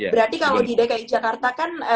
berarti kalau di dki jakarta kan